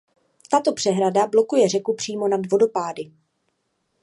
Tato přehrada blokuje řeku přímo nad vodopády.